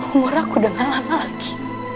umur aku udah lama lama lagi